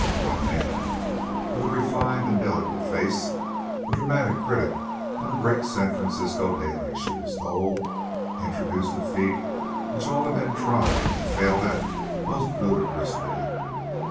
One man, with a refined and delicate face a dramatic critic on a great San Francisco daily, she was told introduced a feat which all the men tried and failed at most ludicrously.